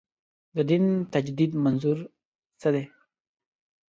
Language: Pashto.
د دین تجدید منظور څه دی.